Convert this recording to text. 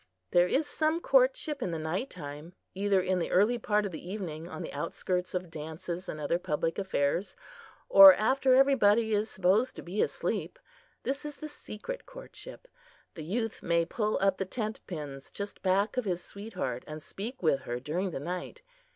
There is some courtship in the night time; either in the early part of the evening, on the outskirts of dances and other public affairs, or after everybody is supposed to be asleep. This is the secret courtship. The youth may pull up the tentpins just back of his sweetheart and speak with her during the night.